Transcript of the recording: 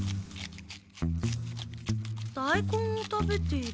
大根を食べている。